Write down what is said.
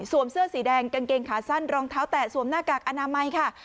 เสื้อสีแดงกางเกงขาสั้นรองเท้าแตะสวมหน้ากากอนามัยค่ะ